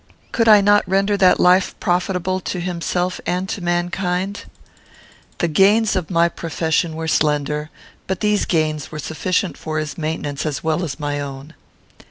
Could I not render that life profitable to himself and to mankind? The gains of my profession were slender; but these gains were sufficient for his maintenance as well as my own.